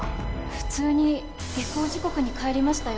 普通に下校時刻に帰りましたよ。